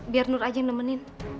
biar nur aja nemenin